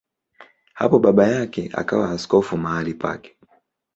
Hapo baba yake akawa askofu mahali pake.